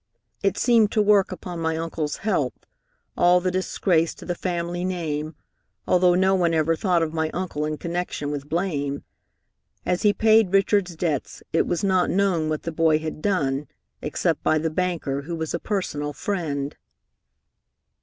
It seemed to work upon my uncle's health, all the disgrace to the family name, although no one ever thought of my uncle in connection with blame. As he paid Richard's debts, it was not known what the boy had done, except by the banker, who was a personal friend.